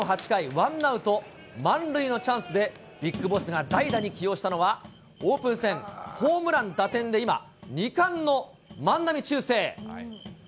８回、ワンアウト満塁のチャンスで、ビッグボスが代打に起用したのは、オープン戦、ホームラン、打点で今、２冠の万波ちゅうせい。